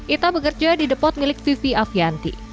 ita bekerja di depot milik vivi afianti